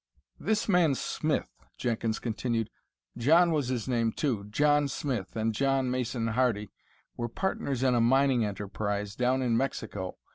"This man Smith," Jenkins continued, "John was his name, too John Smith and John Mason Hardy were partners in a mining enterprise down in Mexico.